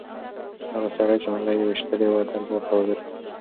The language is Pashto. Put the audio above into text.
هغه سړی چې مرغۍ یې ویشتلې وه دربار ته حاضر شو.